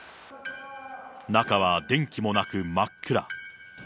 中は電気もなく真っ暗。